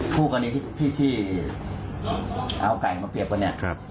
คู่กันนี้ที่เอาไก่มาเปรียบกัน